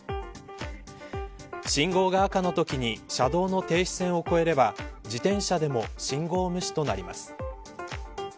信号が赤のときに車道の停止線を越えれば自転車でも信号無視となります。